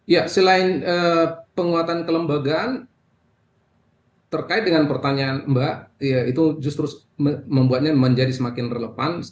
ya selain penguatan kelembagaan terkait dengan pertanyaan mbak itu justru membuatnya menjadi semakin relevan